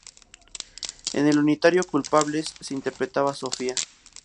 En el unitario "Culpables" interpretaba a Sofía.